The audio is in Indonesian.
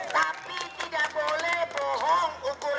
tapi tidak boleh bohong ukuran